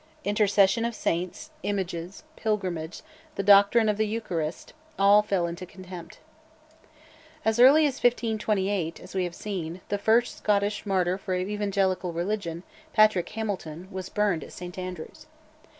Intercession of saints, images, pilgrimages, the doctrine of the Eucharist, all fell into contempt. As early as February 1428, as we have seen, the first Scottish martyr for evangelical religion, Patrick Hamilton, was burned at St Andrews.